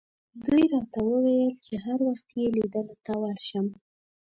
دوی راته وویل چې هر وخت یې لیدلو ته ورشم.